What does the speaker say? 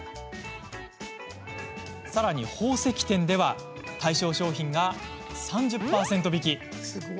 さらに、宝石店では対象商品が３０％引き。